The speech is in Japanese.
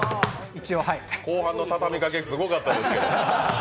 後半の畳みかけ、すごかったですけど。